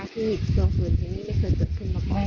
คือทรงฝืนที่นี่ไม่เคยจัดขึ้นหรอ